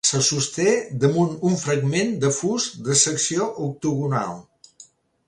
Se sosté damunt un fragment de fust de secció octogonal.